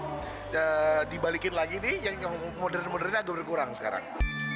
nah dibalikin lagi nih yang modern modernnya agak berkurang sekarang